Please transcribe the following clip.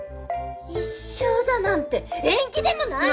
一生だなんて縁起でもない！